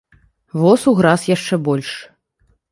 Воз уграз яшчэ больш.